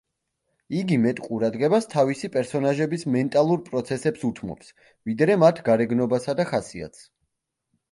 იგი მეტ ყურადღებას თავისი პერსონაჟების მენტალურ პროცესებს უთმობს, ვიდრე მათ გარეგნობასა და ხასიათს.